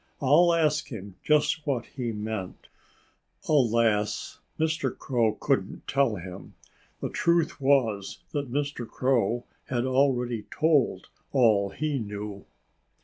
"I'll ask him just what he meant." Alas! Mr. Crow couldn't tell him. The truth was that Mr. Crow had already told all he knew.